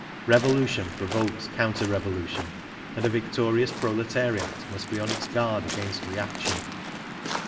Revolution provokes counter revolution ; and a victorious proletariat must be on its guard against reaction.